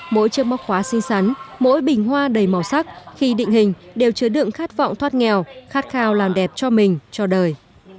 mỗi chiếc móc khóa xin sắn mỗi bình hoa đầy màu sắc khi định hình đều chứa đựng khát vọng thoát nghèo khát khao làm đẹp cho mình cho đời